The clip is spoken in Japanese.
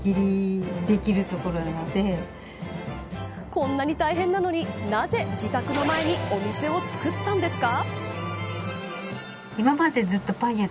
こんなに大変なのになぜ自宅の前にお店を作ったんですか。